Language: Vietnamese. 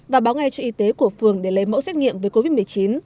và báo ngay cho y tế của phường để lấy mẫu xét nghiệm về covid một mươi chín